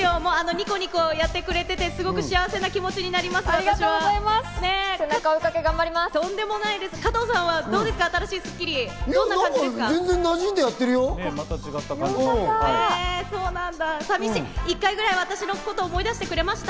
ニコニコやってくれていて、すごく幸せな気持背中を追いかけ頑張ります。